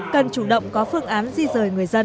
cần chủ động có phương án di rời người dân